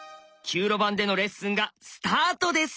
９路盤でのレッスンがスタートです！